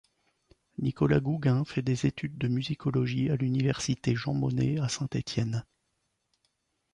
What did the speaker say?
Nicolas Gougain fait des études de musicologie à l'université Jean-Monnet à Saint-Étienne.